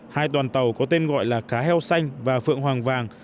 hai đoàn tàu có tên gọi là cá heo xanh và phượng hoàng vàng